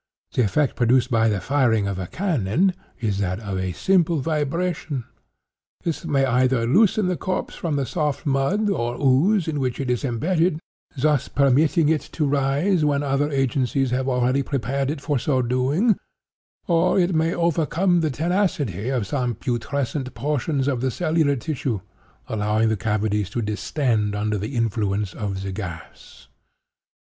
The effect produced by the firing of a cannon is that of simple vibration. This may either loosen the corpse from the soft mud or ooze in which it is imbedded, thus permitting it to rise when other agencies have already prepared it for so doing; or it may overcome the tenacity of some putrescent portions of the cellular tissue; allowing the cavities to distend under the influence of the gas.